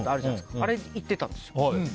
あれに行ってたんです。